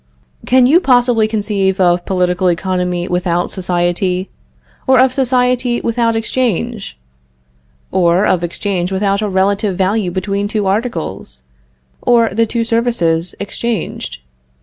Can you possibly conceive of political economy without society? Or of society without exchange? Or of exchange without a relative value between the two articles, or the two services, exchanged?